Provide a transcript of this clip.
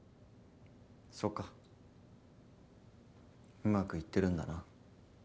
そっかうまくいってるんだな。